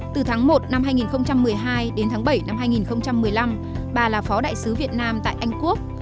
từ tháng một năm hai nghìn một mươi hai đến tháng bảy năm hai nghìn một mươi năm bà là phó đại sứ việt nam tại anh quốc